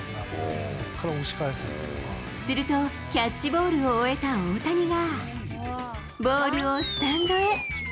すると、キャッチボールを終えた大谷が、ボールをスタンドへ。